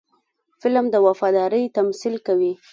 فلم د وفادارۍ تمثیل کوي